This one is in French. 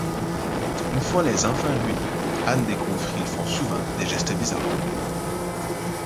Une fois les enfants réunis, Anne découvre qu'ils font souvent des gestes bizarres.